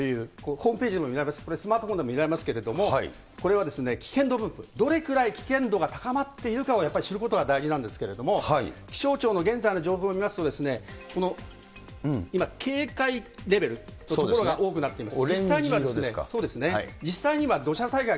これ、スマーフォンでも見られますけれども、これは危険度分布、どれくらい危険度が高まっているかをやっぱり知ることが大事なんですけれども、気象庁の現在の情報を見ますと、今、警戒レベルの所が多くなっています。